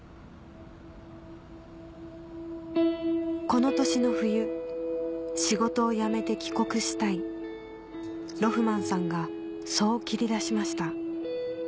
この年の冬仕事を辞めて帰国したいロフマンさんがそう切り出しました